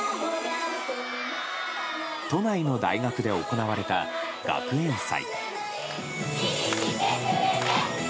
都内の大学で行われた学園祭。